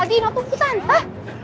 adino tunggu tante